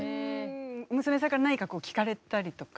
娘さんから何か聞かれたりとか。